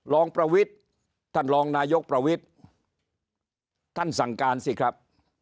รองประวิทย์ท่านรองนายกประวิทย์ท่านสั่งการสิครับ